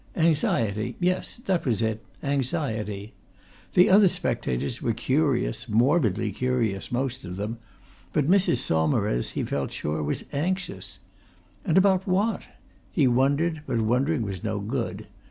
Anxiety yes, that was it, anxiety. The other spectators were curious, morbidly curious, most of them, but Mrs. Saumarez he felt sure was anxious. And about what? He wondered, but wondering was no good.